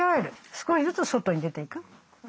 少しずつ外に出ていく。